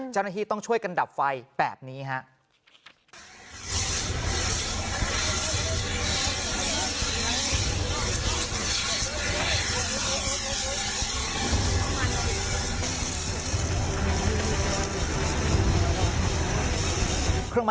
เจ้าหน้าที่ต้องช่วยกันดับไฟแบบนี้ครับ